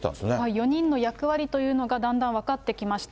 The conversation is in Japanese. ４人の役割というのがだんだん分かってきました。